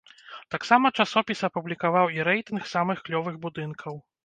Таксама часопіс апублікаваў і рэйтынг самых клёвых будынкаў.